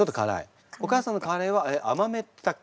お母さんのカレーは甘めだっけ？